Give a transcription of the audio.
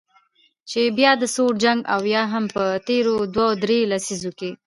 چې بیا د سوړ جنګ او یا هم په تیرو دوه درې لسیزو کې